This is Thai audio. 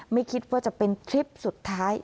ไม่คิดว่าจะเป็นทริปสุดท้าย